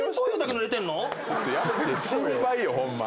心配よホンマ。